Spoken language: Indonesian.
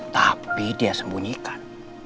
tapi dia sembunyikan